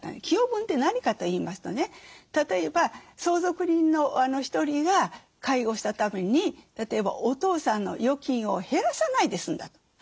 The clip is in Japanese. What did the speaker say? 寄与分って何かといいますとね例えば相続人の１人が介護したために例えばお父さんの預金を減らさないで済んだと。